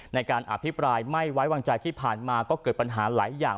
ในการอภิปรายไม่ไว้วางใจที่ผ่านมาก็เกิดปัญหาหลายอย่าง